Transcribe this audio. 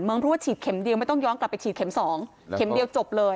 เพราะว่าฉีดเข็ม๑เบอร์ก็ไม่ต้องย้อนกลับไปฉีดเข็ม๒เบอร์